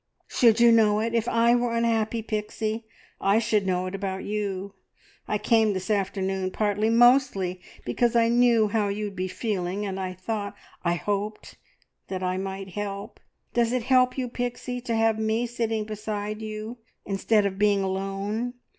"Should you know it, if I were unhappy, Pixie? I should know it about you. I came this afternoon partly, mostly, because I knew how you'd be feeling, and I thought, I hoped, that I might help. Does it help you, Pixie, to have me sitting beside you, instead of being alone?